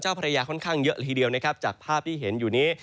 เจ้าพระยาค่อนข้างเยอะทีเดียวจากภาพที่เห็นอยู่นี้